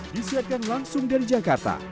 disiapkan langsung dari jakarta